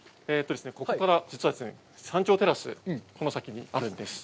ここから実はですね、山頂テラスがこの先にあるんです。